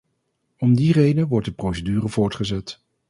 Om die reden wordt de procedure voortgezet.